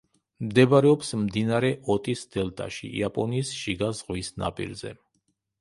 მდებარეობს მდინარე ოტის დელტაში, იაპონიის შიგა ზღვის ნაპირზე.